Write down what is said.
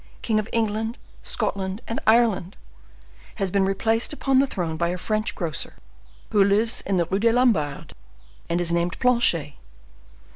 king of England, Scotland, and Ireland, has been replaced upon the throne by a French grocer, who lives in the Rue des Lombards, and is named Planchet.